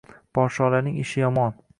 Podsholarning ishi yomon.